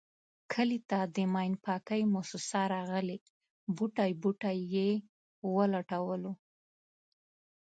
کلي ته د ماین پاکی موسیسه راغلې بوټی بوټی یې و لټولو.